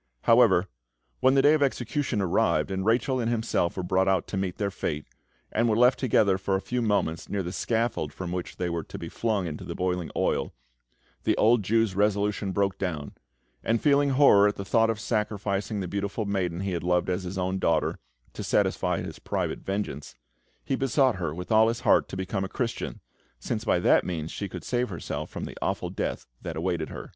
However, when the day of execution arrived, and Rachel and himself were brought out to meet their fate, and were left together for a few moments near the scaffold from which they were to be flung into the boiling oil, the old Jew's resolution broke down, and, feeling horror at the thought of sacrificing the beautiful maiden he had loved as his own daughter, to satisfy his private vengeance, he besought her with all his heart to become a Christian, since by that means she could save herself from the awful death that awaited her.